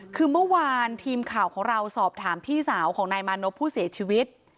คือเมื่อวานทีมข่าวของเราสอบถามพี่สาวของนายมานพผู้เสียชีวิต